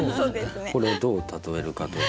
これをどう例えるかと。